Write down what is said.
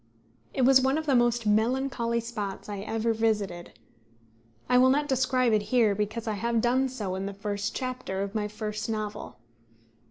It was one of the most melancholy spots I ever visited. I will not describe it here, because I have done so in the first chapter of my first novel.